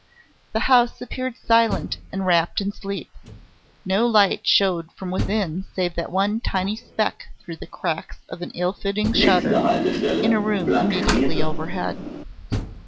The house appeared silent and wrapped in sleep. No light showed from within save that one tiny speck through the cracks of an ill fitting shutter, in a room immediately overhead.